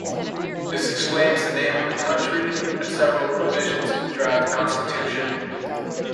This explains the name of the country and several provisions in the draft constitution.